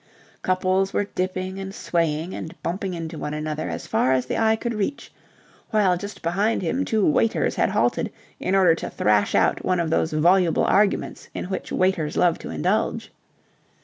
Couples were dipping and swaying and bumping into one another as far as the eye could reach; while just behind him two waiters had halted in order to thrash out one of those voluble arguments in which waiters love to indulge.